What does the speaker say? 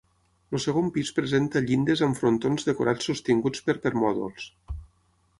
El segon pis presenta llindes amb frontons decorats sostinguts per permòdols.